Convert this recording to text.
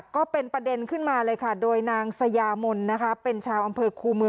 ก็เป็นประเด็นขึ้นมาเลยค่ะโดยนางสยามนนะคะเป็นชาวอำเภอคูมือ